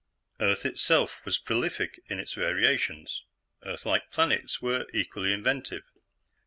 Earth itself was prolific in its variations; Earthlike planets were equally inventive.